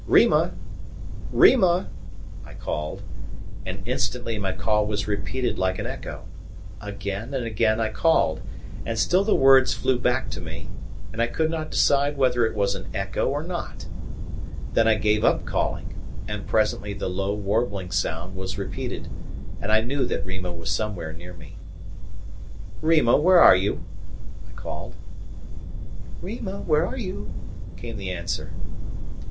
"Rima! Rima!" I called, and instantly my call was repeated like an echo. Again and again I called, and still the words flew back to me, and I could not decide whether it was an echo or not. Then I gave up calling; and presently the low, warbling sound was repeated, and I knew that Rima was somewhere near me. "Rima, where are you?" I called. "Rima, where are you?" came the answer.